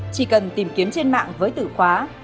chỉ cần tìm kiếm trên mạng với tử khóa